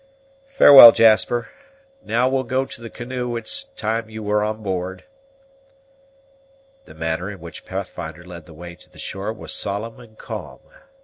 Farewell, Jasper. Now we'll go to the canoe; it's time you were on board." The manner in which Pathfinder led the way to the shore was solemn and calm.